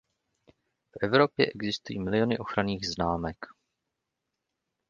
V Evropě existují miliony ochranných známek.